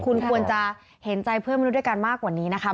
คุณควรจะเห็นใจเพื่อนมนุษย์ด้วยกันมากกว่านี้นะคะ